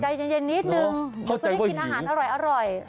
ใจเย็นนิดนึงเขาก็ได้กินอาหารอร่อย